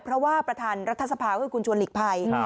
เพราะว่าประธานรัฐสภาคือคุณชวนหลีกภัย